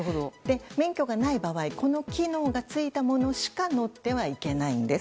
免許がない場合この機能が付いたものしか乗ってはいけないんです。